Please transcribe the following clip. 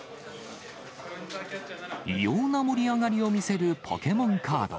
異様な盛り上がりを見せるポケモンカード。